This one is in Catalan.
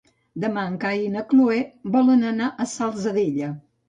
Demà en Cai i na Cloè volen anar a la Salzadella.